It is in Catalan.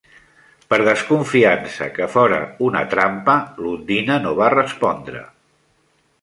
Per desconfiança que fóra una trampa, l'"Ondina" no va respondre.